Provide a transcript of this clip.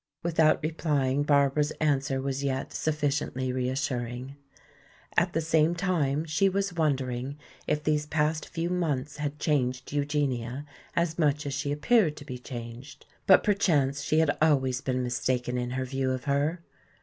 Without replying Barbara's answer was yet sufficiently reassuring. At the same time she was wondering if these past few months had changed Eugenia as much as she appeared to be changed. But perchance she had always been mistaken in her view of her.